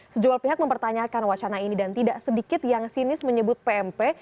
sejumlah pihak mempertanyakan wacana ini dan tidak sedikit yang sinis menyebut pmp